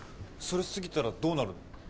それ過ぎたらどうなるの？